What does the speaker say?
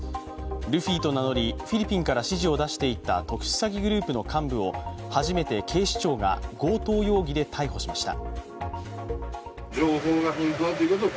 ルフィと名乗り、フィリピンから指示を出していた特殊詐欺グループの幹部を初めて警視庁が強盗容疑で逮捕しました。